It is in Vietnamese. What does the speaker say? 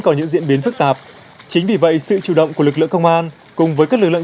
có những diễn biến phức tạp chính vì vậy sự chủ động của lực lượng công an cùng với các lực lượng